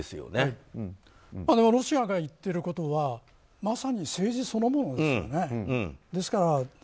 ロシアが言っていることはまさに政治そのものですよね。